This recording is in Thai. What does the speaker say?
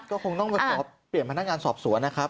ก็คงต้องไปขอเปลี่ยนพนักงานสอบสวนนะครับ